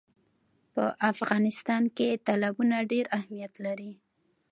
په افغانستان کې تالابونه ډېر اهمیت لري.